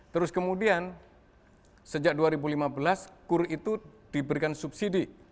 terus kemudian sejak dua ribu lima belas kur itu diberikan subsidi